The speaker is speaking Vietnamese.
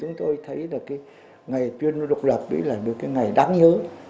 chúng tôi thấy là cái ngày tuyên ngôn độc lập ấy là một cái ngày đáng nhớ